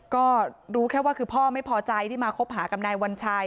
ก็รู้แค่ว่าคือพ่อไม่พอใจที่มาคบหากับนายวัญชัย